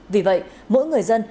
vì vậy mỗi người dân